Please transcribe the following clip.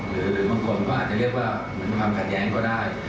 หรือบางคนก็อาจจะเรียกว่าเหมือนความขัดแย้งก็ได้